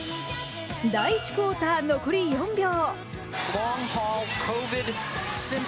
第１クオーター残り４秒。